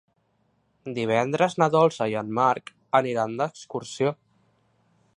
Divendres na Dolça i en Marc aniran d'excursió.